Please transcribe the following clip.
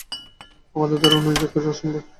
আমাদের দ্বারা কোন অন্যায় কার্য হওয়া অসম্ভব।